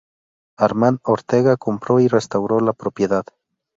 Armand Ortega compró y restauró la propiedad.